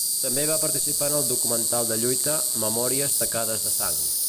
També va participar en el documental de lluita, "Memòries tacades de sang".